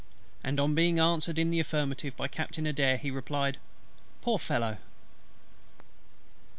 and on being answered in the affirmative by Captain ADAIR, he replied, "Poor fellow!"